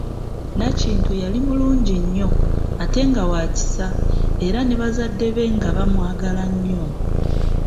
Nakintu yali mulungi nnyo ate nga wa kisa era ne bazadde be nga bamwagala nnyo.